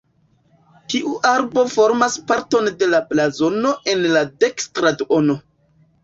Tiu arbo formas parton de la blazono en la dekstra duono.